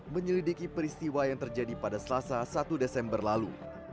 menyelidiki peristiwa yang terjadi pada selasa satu desember lalu